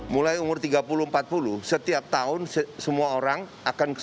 mulai umur tiga puluh empat puluh setiap tahun semua orang akan